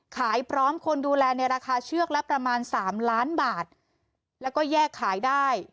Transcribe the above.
พร้อมคนดูแลในราคาเชือกละประมาณสามล้านบาทแล้วก็แยกขายได้